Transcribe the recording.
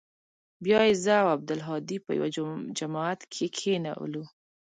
بيا يې زه او عبدالهادي په يوه جماعت کښې کښېنولو.